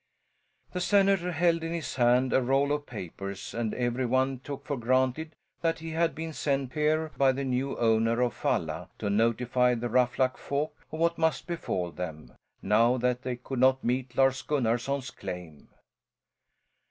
The senator held in his hand a roll of papers and every one took for granted that he had been sent here by the new owner of Falla, to notify the Ruffluck folk of what must befall them, now that they could not meet Lars Gunnarson's claim.